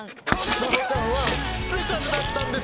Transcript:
真帆ちゃんはスペシャルだったんですよ。